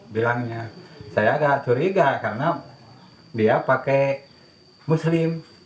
bilangnya saya agak curiga karena dia pakai muslim